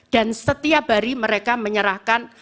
dan setiap hari mereka menyerahkan